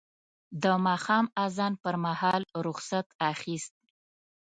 د ماښام اذان پر مهال رخصت اخیست.